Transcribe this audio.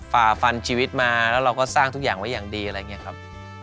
ฝ่าฟันชีวิตมาแล้วเราก็สร้างทุกอย่างไว้อย่างดีอะไรอย่างนี้ครับ